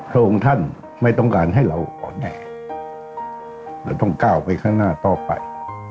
พระองค์ท่านไม่ต้องการให้เราอ่อนแอเราต้องก้าวไปข้างหน้าต่อไป